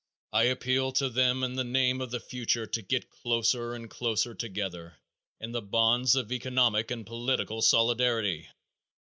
I appeal to them in the name of the future to get closer and closer together in the bonds of economic and political solidarity.